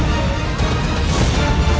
dan menangkap kake guru